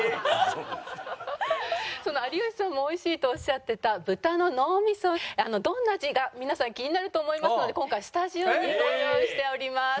その有吉さんも美味しいとおっしゃってた豚の脳みそどんな味か皆さん気になると思いますので今回スタジオにご用意しております。